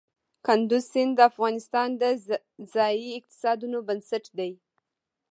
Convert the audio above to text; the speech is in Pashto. کندز سیند د افغانستان د ځایي اقتصادونو بنسټ دی.